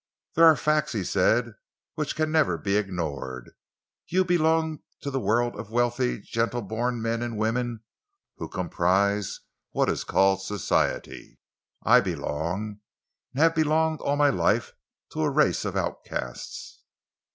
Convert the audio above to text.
"There are facts," he said, "which can never be ignored. You belong to the world of wealthy, gently born men and women who comprise what is called Society. I belong, and have belonged all my life, to a race of outcasts."